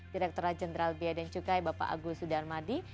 direkturat jenderal biaya dan cukai bapak agus sudarmadi